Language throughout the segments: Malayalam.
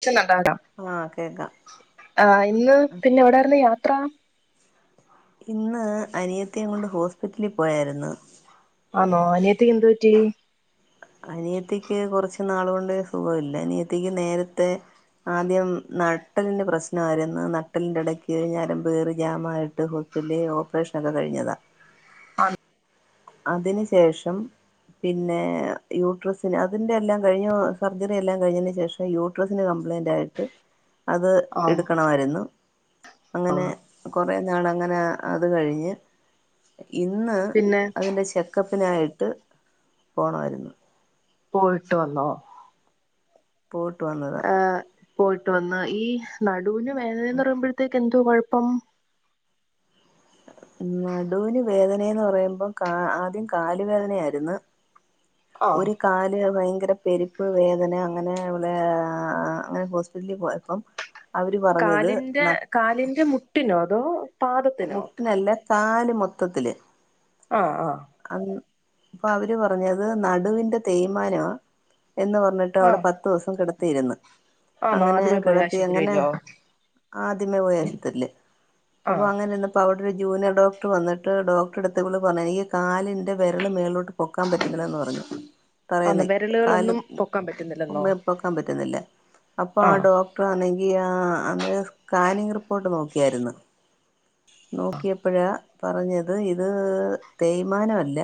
[unintelligible] ആഹ് കേക്കാം ഇന്ന് പിന്നെ എവിടെ ആയിരുന്നു യാത്ര ഇന്ന് അനിയത്തിയെയും കൊണ്ട് ഹോസ്പിറ്റലില് പോയായിരുന്നു ആന്നോ അനിയത്തിക്ക് എന്ത് പറ്റി അനിയത്തിക്ക് കുറച്ച് നാള് കൊണ്ട് സുഖഇല്ല അനിയത്തിക്ക് നേരത്തെ ആദ്യം നട്ടലിന്റെ പ്രശ്നമായിരുന്നു നട്ടലിന്റെ ഇടയ്ക്ക് ഞരമ്പ് കേറി ജാമായിട്ട് പില്ലേ ഓപ്പറേഷനൊക്കെ കഴിഞ്ഞതാ ആ അതിനു ശേഷം പിന്നെ യൂട്രസിന് അതിന്റെ എല്ലാം കഴിഞ്ഞു സർജറി എല്ലാം കഴിഞ്ഞന് ശേഷം യൂട്രസിന് കംപ്ലയിന്റ് ആയിട്ട് അതു ആഹ് എടുക്കാണായിരുന്നു അങ്ങനെ ആഹ് കുറ കുറേ നാളങ്ങനെ അത് കഴിഞ്ഞ് ഇന്ന് പിന്നെ അതിന്റെ ചെക്കപ്പ് പ്പിനായിട്ട് പോണമായിരുന്നു പോയിട്ട് വന്നോ പോയിട്ട് വന്നതാ ഏഹ് പോയിട്ട് വന്ന് ഈ നടുവിന് വേദനന്ന് പറയുമ്പോഴത്തേക്ക് എന്തോ കൊഴപ്പം നടുവിന് വേദനയന്ന് പറയുമ്പം ആദ്യം കാലുവേദനയായിരുന്നു ആഹ് ഒരു കാല് ഭയങ്ക ഭയങ്കര പെരുപ്പ് വേദന അങ്ങനെ അങ്ങനെ ഹോസ്പിറ്റലിൽ പോയപ്പം അവർ പറഞ്ഞത് കാലിന്റെ ന കാലിന്റെ മുട്ടിനോ അതോ പാദത്തിനോ മുട്ടിനല്ല കാല് മൊത്തത്തില് ആആ അപ്പൊ അവര് പറഞ്ഞത് നടുവിന്റെ തേയ്മാന എന്ന് പറഞ്ഞിട്ട് അവിടെ ആഹ് പത്തു ദിവസം കിട തീരുന്ന് ആന്നോ അങ്ങനെ ആദ്യമേ പോയി കിടത്തി അങ്ങനെ ആശുപത്രിയിലോ ആദ്യമേ പോയ ആശുത്രില് അപ്പോൾ ആഹ് അങ്ങനെ വന്നപ്പോ അവിടെ ഒരു ജൂനിയർ ഡോക്ടർ വന്നട്ട് ഡോക്ടറെടുത്ത് വിള് പറഞ്ഞു കാലിന്റെ വിരല് മേലോട്ട് പൊക്കാൻ പറ്റുന്നിഇല്ലന്ന് പറഞ്ഞു ആന്നോ തറന്നെ കാല് വിരലുകളൊന്നും പൊക്കാൻ പറ്റുന്നില്ലെന്നോ ഉമ്മപ്പൊക്കാൻ പറ്റുന്നില്ല അപ്പൊ ആ ആഹ് ഡോക്ടർാണെങ്കി ആ അന്ന് സ്കാനിങ് റിപ്പോർട്ട് നോക്കിയായിരുന്നു നോക്കിയപ്പോഴാ പറഞ്ഞത് ഇത് തേയ് മാനമല്ല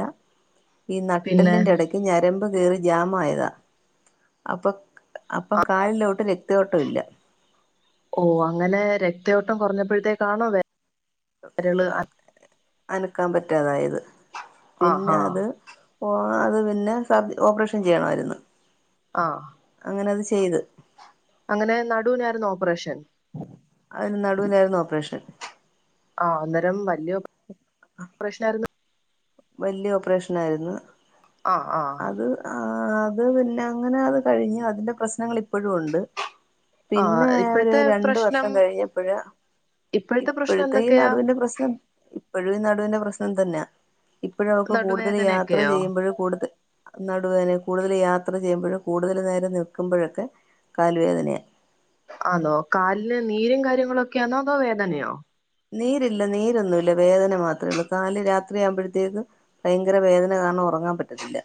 ഈ പിന്നെ നട്ടല്ലിന്റെ ഇടയ്ക്ക് ഞരമ്പ് കയറി ജാമായതാ അപ്പൊ അപ്പം കാലിലോട്ട് രക്തയോട്ടം ഇല്ല ഓ അങ്ങനെ രക്തയോട്ടം കുറഞ്ഞപ്പഴത്തേകാണോ വേ അനക്കാൻ പറ്റാതായത് പിന്നെ ആഹാ അത് ഓ അത് പിന്നെ സബ് ഓപ്പറേഷൻ ചെയ്യണമായിരുന്നു ആഹ് അങ്ങനെ അത് ചെയ്ത് അങ്ങനെ നടുവിനായിരന്നൊ ഓപ്പറേഷൻ അതിന് നടുവിനായിരുന്നു ഓപ്പറേഷൻ ആ അന്നേരം വല്യ ഓപ് റ ഷനായിരുന്നു വല്യയ ഓപ്പറേഷന ആയിരുന്നു ആ ആ ആ അത് പിന്നെ അങ്ങനെ അത് കഴിഞ്ഞ് അതിന്റെ പ്രശ്നങ്ങൾ ഇപ്പോഴും ഉണ്ട് ആ പിന്നെ ഒരു ഇപ്പോഴത്തെ രണ്ട് പ്രശ്നം വർഷം കഴിഞ്ഞപ്പഴ പ്രശ്നം ഇപ്പോഴത്തെ ഈ എന്തൊക്കെയാ നടുവിന്റെ പ്രശ്നം ഇപ്പോഴും ഈ നടുവിന്റെ പ്രശ്നം തന്നെയ ഇപ്പോഴ അവക്ക് കൂടുതൽ യാത്ര നടുവേദനയൊക്കെയോ ചെയ്യുമ്പോഴും കൂടുതൽ നടുവേദന കൂടുതൽ യാത്ര ചെയ്യുമ്പോഴും കൂടുതൽ നേരം നിൽക്കുമ്പോഴൊക്കെ കാൽ വേദനയ ആണോ കാലിന് നീരും കാര്യങ്ങളൊക്കെയാണോ അതോ വേദനയോ നീരില്ല നീരൊന്നുമല്ല വേദന മാത്രമേ ഉള്ളൂ കാല് രാത്രിയാവുമ്പോഴത്തേക്ക് ഭയങ്കര വേദന കാണ ഉറങ്ങാൻ പറ്റത്തില്ല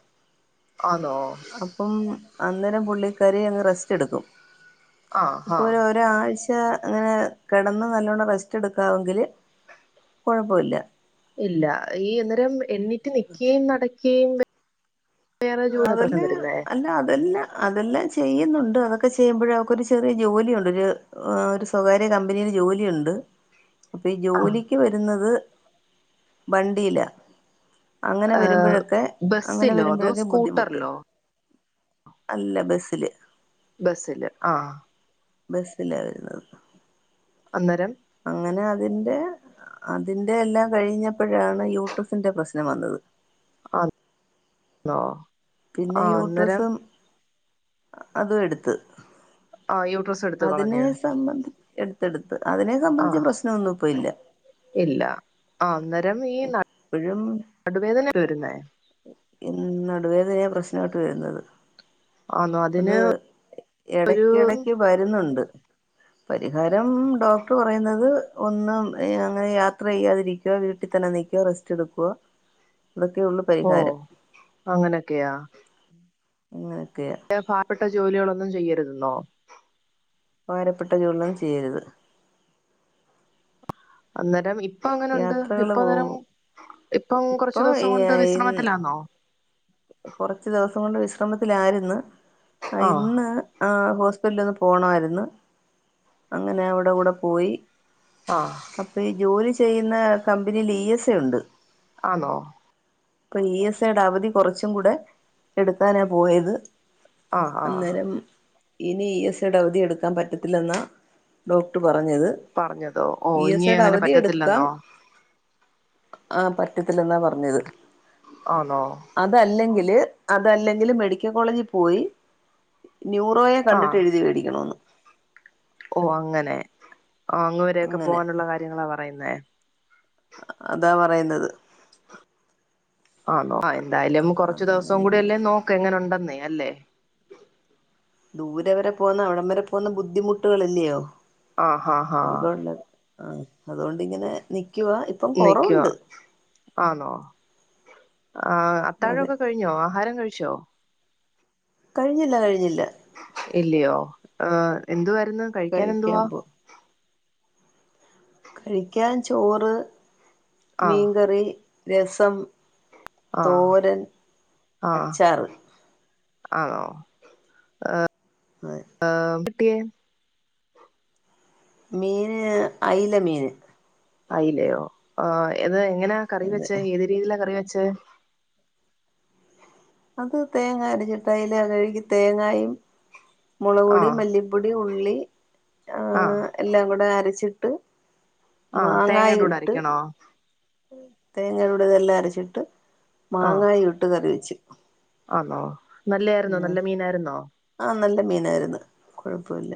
ആന്നോ അപ്പം അന്നേരം പുള്ളിക്കാരി അങ്ങ് റെസ്റ്റ് എടുക്കും ആ ഇപ്പോ ആ ഒരാരാഴ്ച അങ്ങനെ കിടന്ന് നല്ലവോണം റെസ്റ്റ് എടുത്ത് ങ്കില് കുഴപ്പമില്ല ഇല്ല ഈ അന്നേരം എണീറ്റ് നിക്കുകയും നടക്കുകയും വേറെ ജോലി അതെല്ല പ്രശ്നം വരുന്നേ അല്ല അതല്ല അതെല്ലാം ചെയ്യുന്നുണ്ട് അതൊക്കെ ചെയ്യുമ്പോഴ അവക്കൊ ഒരു ചെറിയ ജോലിയുണ്ട് ഒരു സ്വകാര്യ കമ്പനിൽ ജോലി ലിയുണ്ട് അപ്പൊ ഈ ആ ജോലിക്ക് വരുന്നത് വണ്ടിയിലാ അങ്ങനെ വരുമ്പോഴൊക്കെ അങ്ങനെ വരുമ്പോഴൊക്കെ ബുദ്ധിമുട്ട് ക്റല്ലോ അല്ല ബസില് ബസ്സില് ആഹ ബസ്സിലാ വരുന്നത് അന്നേരം അങ്ങനെ അതിന്റെ അതിന്റെ എല്ലാം കഴിഞ്ഞപ്പോഴാണ് യൂട്രസിന്റെ പ്രശ്നം വന്നത് ആന്നോ പിന്നെ ആ അന്നേരം യൂട്രസും അതും എടുത്ത് ആ യൂട്രസ് എടുത്ത് അതിനെ കളഞ്ഞ് സംബന്ധി എടുത്തെടുത്ത് അതിനെ ആ സംബന്ധിച്ച് പ്രശ്നൊന്നും ഇപ്പ ഇല്ല ഇല്ല ആ അന്നേരം ഈ ഇപ്പോഴും നടുവേദന വരുന്നേ നടുവേദനയ പ്രശ്നോട്ട് വരുന്നത് ആന്നോ അതിന് അത് ഇടക്കിടക്ക് വരുന്നുണ്ട് പരിഹാരം ഡോക്ടർ പറയുന്നത് ഒന്നും അങ്ങനെ യാത്ര ചെയ്യാതിരിക്കുവ വീട്ടിൽ ത്തന്നെ നിക്കുവാ റെസറ്റെഎടുക്കുവാ ഇതൊക്കെ ഉള്ളു ഓ പരിഹാരം അങ്ങനൊക്കെയാ [unintelligible] പാവപ്പെട്ട ജോലികളൊന്നും ചെയ്യരുതെന്നോ ഭാരപ്പെട്ട ജോലികളന്നുചെയ്യരുത് അന്നേരം ഇ ഇപ്പൊ അങ്ങനുണ്ട് ഇപ്പൊ പോകും നേരം ഇപ്പം കൊറച്ചു ഇപ്പൊ ദിവസം കൊണ്ട് ഇന്ന് വിശ്രമത്തിലാന്നോ കുറച്ച് ദിവസം കൊണ്ട് വിശ്രമത്തിലായിരുന്നു ആഹ് ഇന്ന് ആ ഹോസ്പിറ്റലിൽ നിന്ന് പോകണമായിരുന്നു അങ്ങനെ അവിടെ കൂടെ പോയി ആഹ് അപ്പൊ ഈ ജോലി ചെയ്യുന്ന കമ്പനിൽ ഇ എസ് ഉണ്ട് ആണോ ഇപ്പൊ ഇ എസ് ഐയുടെ അവധി കുറച്ചും കൂടെ എടുക്കാനാ പോയത് ആഹ് ആഹ് അന്നേരം ഇനി ഇ എസ് ഐ യുടെ അവധി എടുക്കാൻ പറ്റത്തില്ലെന്ന ഡോക്ടർ പറഞ്ഞത് പറഞ്ഞതോ ഓ ഇ എസ് ഇനി ഐയുടെ അങ്ങനെ അവധി എടുക്കാം പറ്റത്തില്ലെന്നോ ആഹ പറ്റത്തില്ല എന്നാ പറഞ്ഞത് ആണോ അതല്ലെങ്കില് അതല്ലെങ്കില് മെഡിക്ക കോളേജിൽ പോയി ന്യൂറോയെ ആഹ് കണ്ടിട്ടേഴ്തി വേടിക്കണോന്ന് ഓ അങ്ങനെ അങ്ങ് വരെ ഒക്കെ അങ്ങനെ പോവാന്ള്ള കാര്യങ്ങളാ പറയ്ന്നേ അതാ പറയുന്നത് ആണോ എന്തായാലും കൊറച്ച് ദിവസം അതാണ് കൂടില്ലേ നോക്ക് എങ്ങനുണ്ടേ [unintelligible] അല്ലേ ദൂരെ വരെ പോവുന്നേ അവിടം വരെ പോവുന്നേ ബുദ്ധിമുട്ടുകള്ല്ല്യോ ആ ഹാ ഹാ ആ അതോണ്ടിങ്ങനെ നിക്കുവാ ഇപ്പം നിക്കുവാ കൊറവുണ്ട് ആന്നോ ആ അതെ അത്താഴോക്കെ കഴിഞ്ഞോ ആഹാരം കഴിച്ചോ കഴിഞ്ഞില്ല കഴിഞ്ഞില്ല ഇല്ല്യോ ഏ എന്ത്‌ വാര്ന്നു കഴിക്കൻ കഴിക്കാൻ എന്തുവാ പോ കഴിക്കാൻ ചോറ് ആഹ് മീൻകറി രസം ആഹ് തോരൻ ആഹ് അച്ചാറ് ആണോ അതെ ഏ [unintelligible] മീന് അയില മീന് അയിലയോ ആ ഇത് എങ്ങനാ കറി അതെ വെച്ച ഏത് രീതിലാ കറി വെ ച്ചേ അത് തേങ്ങ അരച്ചിട്ട് അയ്‌ല കഴ്കി തേങ്ങായും മുളക്പൊടി ആഹ് മല്ലിപ്പൊടി ഉള്ളി ഏ ആഹ് എല്ലാം കൂടെ അരച്ച് ആ തേങ്ങേടൂടെ അരക്കണോ തേങ്ങേടെടൂടെ ഇതെല്ലാം അരച്ചിട്ട് ആഹ് മാങ്ങായു ഇട്ട് കറിവെച്ച് നല്ലായ്ര്ന്നോ നല്ല മീനായിരുന്നോ ആ നല്ല മീനായിര്ന്ന് കൊഴപ്പ ഇല്ല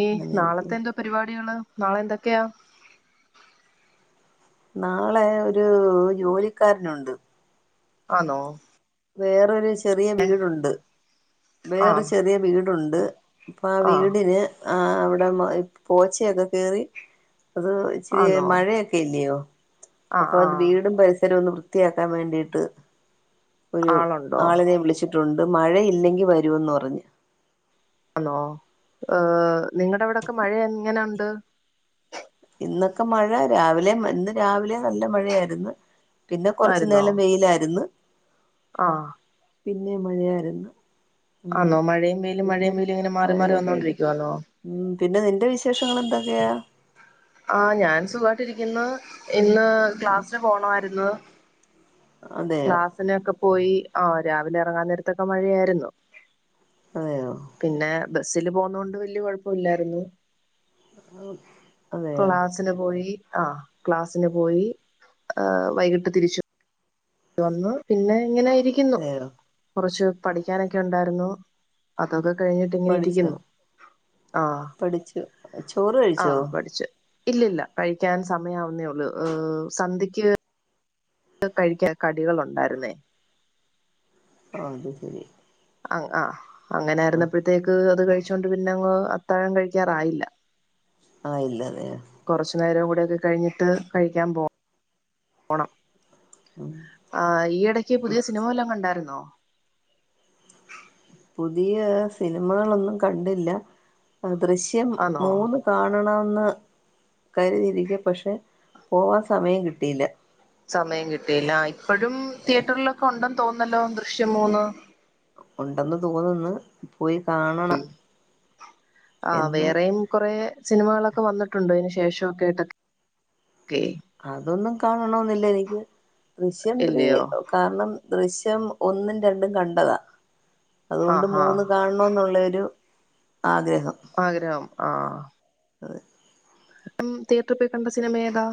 ഈ നാളത്തെ എന്തോ പരിപാട്യാള് നാളെ എന്തൊക്കെയാ നാളെ ഒരു ജോലിക്കാരന്ണ്ട് ആന്നോ വേറൊര് ചെറിയ വീടുണ്ട് വേറൊര് ആഹ് ചെറിയ വീടുണ്ട് അപ്പൊ ആ ആഹ് വീടിന് ആ അവിടെ മ പോച്ചയൊക്കെ കേറി അത് ഇച്ചിരി ആന്നോ മഴയൊക്കെല്ല്യോ ആഹ് അപ്പൊത് ആഹ് വീടും പരിസരവൊന്ന് വൃ ത്തിയാക്കാൻ വേണ്ടീട്ട് ഒരു ആളുണ്ടോ ആളിനെ വിളിച്ച് ട്ടുണ്ട് മഴയില്ലെങ്കി വരൂന്ന് പറഞ്ഞ് ആന്നോ ഏ നിങ്ങടെവിടെക്കെ മഴ എങ്ങനെണ്ട് ഇന്നൊക്കെ മഴ രാവിലെ മ ഇന്ന് രാവിലെ നല്ല മഴയായിര്ന്ന് പിന്നെ കൊറച്ച്നേലം വെയിലായിര്ന്ന് ആ പിന്നെ മഴയായിര്ന്ന് ആന്നോ മഴയും വെയിലും മഴയും വെയിലുങ്ങനെ മാറി മാറി മഴയ പെയ്ത് വന്നോണ്ടിരിക്കുവാന്നോ ഉം പിന്നെ നിന്റെ വിശേഷങ്ങൾ എന്തൊക്കെയാ ആ ഞാൻ സുഖായിട്ടിരിക്കുന്ന് ഇന്ന് ക്ലാസ്സില് പോണായിരുന്നു അതെയോ ക്ലാസിനൊക്കെ പോയി ആ രാവിലെ ഇറങ്ങാൻ നേരത്തൊക്കെ മഴയായിരുന്നു അതെയോ പിന്നെ ബസില് പോന്നോണ്ട് വല്യ കൊഴപ്പല്ലായിരുന്നു അതെയോ ക്ലാസിന് പോയി ആ ക്ലാസിന് പോയി വൈകിട്ട് തിരിച്ചു വന്നു പിന്നെ ഇങ്ങനെയിരിക്കുന്നു അതെയോ കുറച്ച് പഠിക്കാനൊക്കെ ഉണ്ടായിര്ന്നു അതൊക്കെ കഴിഞ്ഞിട്ട് ഇങ്ങനെ പഠിച്ചോ ഇരിക്കുന്നു ആ പഠിച്ചു ചോറ് കഴിച്ചോ ഇല്ലല്ലാ കഴിക്കാൻ സമയവുന്നേള്ളു സന്ധ്യക്ക് അത് കഴിക്കാൻ കടികളുണ്ടായിര്ന്നേ ആ അത് ശരി അ ആ് ആ അങ്ങനൊയിരുന്നപ്പോഴത്തേക്ക് അത് കഴ കച്ചൊണ്ട് പിന്നെ അങ്ങ് അത്താഴം കഴിക്കാറായില്ല ആഹ ഇല്ലതെയ അടെക്കെ കഴിഞ്ഞിട്ട് കഴിക്കാൻ പോ പോണം ആ് ഈ ഇടയ്ക്ക് പുതിയ സിനിമെല്ലാം കണ്ടായിരുന്നോ ആ പുതിയ സിനിമകളൊന്നും കണ്ടില്ല ദൃശ്യം ആന്നോ മൂന്ന് കാണണം കരുതിരിക്ക പക്ഷെ പോവാൻ സമയം കിട്ടിയില്ല സമയം കിട്ടിയില്ല ഇപ്പോഴും തിയേറ്ററിലൊക്കെ ഉണ്ടെന്ന് തോന്നല്ലോ ദൃശ്യം മൂന്ന് ഉണ്ടെന്ന് തോന്നന്ന് ആ എന്ന് വേറെയും കൊറെ സിനിമകളൊക്കെ വന്നിട്ടുണ്ട്ോ അതിനന് ശേഷമൊ കേെ കേട്ടൊക്കെ അതൊന്നും കാണണെന്നില്ല എനിക്ക് ദൃശ്യംത്രീ ഇല്ലയോ കാരണം ദൃശ്യ ം ഒന്നും രണ്ടും കണ്ടതാ അതുകൊണ്ട് ആഹ് ആഹ് മൂന്ന് കാണണ എന്നുള്ളരു ആഗ്രഹ ആഗ്രഹം ആഹ അ അം തിയറ്റർ പോയി കണ്ട സിനിമ ഏതാ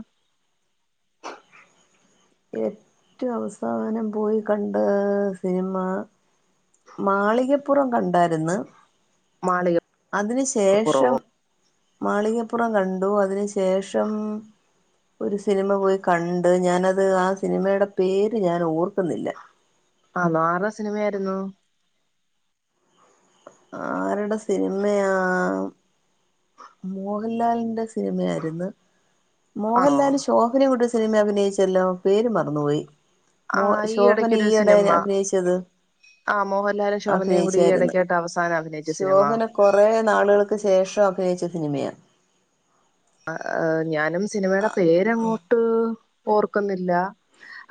ഏറ്റവും അവസാനം പോയി കണ്ട് സിനിമ മാളികപ്പുറം കണ്ടായിരുന്നു മാള അതിനു ശേഷം മാളികപ്പുറം കണ്ടു അതിനു ശ ശേഷം ഒര് സിനിമ പോയി കണ്ട് ഞാനത് ആ സിനിമയുടെ പേര് ഞാൻ ഓർക്കുന്നില്ല ആഹ് ആറെ സിനിമയായിരുന്നു ആരുടെ സിനിമയാ മോഹൻലാലിന്റെ സിനി സിനിമയായിരുന്നു ആണോ മോഹൻലാൽ ശോഭന കൂടെ സിനിമ അഭിനയിച്ചെല്ലോ പേര് മറന്നുപോയി മോ ആഹ് ഈ ശോഭന ഇടയ്ക്കൊരു ഈയിടെ സിനിമ അഭിനയിച്ചത് ആ മോഹൻലാലും ശോഭനയും കൂടിഈ അഭിനയിച്ചായിരുന്നു ഇടക്കിട്ട് അവസാ ശോഭന കുറെേ നാളുകള്ക്ക് ശേഷം അഭിനയിച്ച സിനിമയാണ് ആ അ ഞാനും സിനിമേടെ പേര്ങ്ങോട്ട് ഓർക്കുന്നില്ല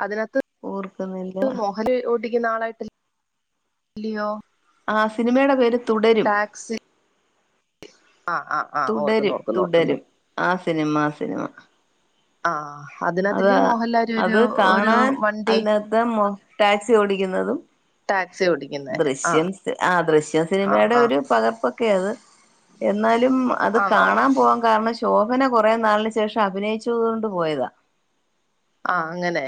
അതിന ഓർക്കുന്നില്ല നാളായിട്ട് ല്ലിയോ ആ സിനിമയുടെ പേര് തുടരും ടാക്സി ആ ആ ആ ഓർക്കുന്നു തുടരും ഓർക്കുന്നു ഓർക്കുന്നു തുടരും ആ സിനിമ ആ സിനിമ ആഹ് അതിനകത്തി അതാ അത് മോഹൻലാലൊരു ഒരു കാണാൻ വണ്ടി അതിനകത്ത് മൊ ടാക്സി ഓടിക്കുന്നതും ടാക്സി ഓടിക്കുന്നേ ആ ദൃശ്യം ആ ദൃശ്യം ആ സിനിമയുടെ ആ ഒരു പകർപ്പൊക്കെ അത് എന്നാലും അത് ആണോ കാണാൻ പോവാൻ കാരണം ശോഭന കൊറേ നാളിന് ശേഷം അഭിനയിച്ചത് കൊണ്ട് പോയതാ ആഹ് അങ്ങനെ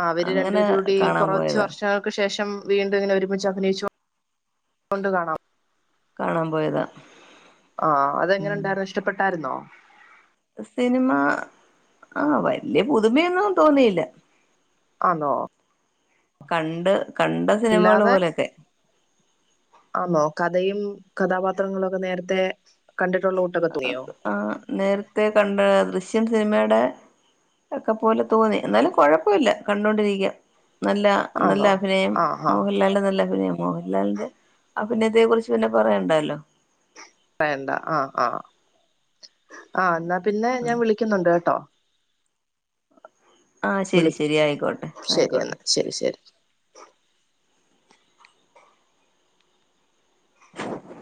ആ അവര് അങ്ങനെ രണ്ടുപേരൂടി കാണാൻ കുറച്ച് പോയതാ വർഷങ്ങൾക്ക് ശേഷം വീണ്ടും ഇങ്ങനെ ഒരുമിച്ച് അഭിനയിച്ചു കൊണ്ട് കാണാം കാണാൻ പോയതാ ആഹ് ഉം അതെങ്ങനെണ്ടായിന്നു ഇഷ്ടപ്പെട്ടായിരുന്നോ സിനിമ ആ വലിയ പുതുമയൊന്നും തോന്നിയില്ല ആണോ കണ്ട് കണ്ട അല്ലാതെ സിനിമകള് പോലൊക്കെ ആന്നോ കഥയും കഥാപാത്രങ്ങളൊക്കെ നേരത്തെ കണ്ടിട്ടുള്ള കൂട്ടൊക്കെ തോന്നിയോ ആ നേരത്തെ കണ്ട ദൃശ്യൻ സിനിമേ ടെ ഒക്കെ പോലെ തോന്നി എന്നാലും കുഴപ്പമില്ല കണ്ടോണ്ടിരിക്കാം നല്ല നല്ല ആന്നോ അഭിനയം ആഹ് ഹാ മോഹൻലാലിന്റെ നല്ല അഭിനയം മോഹൻലാലിന്റെ അഭി നയത്തെ കുറിച്ച് പിന്നെ പറയണ്ടല്ലോ വേണ്ട ആ ആഹ് ആഹ് എന്നാ പിന്നെ ഞാൻ വിളിക്കുന്നുണ്ട് കേട്ടോ ആഹ് ശരി ശരി ആയിക്കോട്ടെ വിളിക്ക് ശരിയെന്ന ആയിക്കോട്ടെ ശരി ശരി